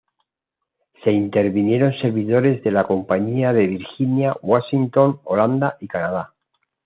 Se intervinieron servidores de la compañía en Virginia, Washington, Holanda y Canadá.